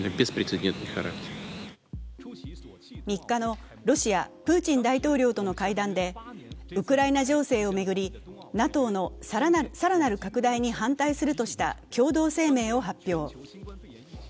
３日のロシア、プーチン大統領との会談でウクライナ情勢を巡り、ＮＡＴＯの更なる拡大に反対するとした共同声明を発表。